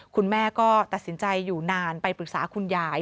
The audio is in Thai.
คุณแม่ก็ตัดสินใจอยู่นานไปปรึกษาคุณยาย